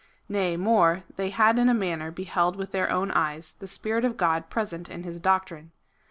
Nay more, they had in a manner beheld with their own eyes the Spirit of God present in his doctrine.